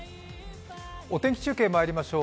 お天気中継、まいりましょう。